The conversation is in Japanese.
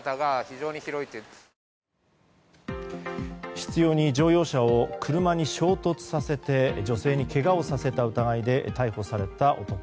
執拗に乗用車を車に衝突させて女性にけがをさせた疑いで逮捕された男。